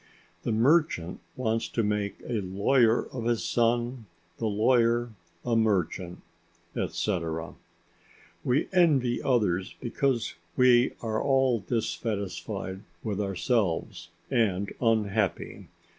The merchant wants to make a lawyer of his son, the lawyer a merchant, etc. We envy others because we are all dissatisfied with ourselves and unhappy.